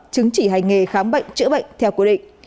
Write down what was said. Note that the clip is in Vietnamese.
chứng chỉ hành nghề khám bệnh chữa bệnh theo quy định